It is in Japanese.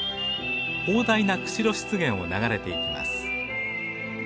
広大な釧路湿原を流れていきます。